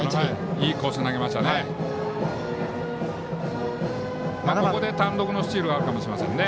いいコースに投げましたね。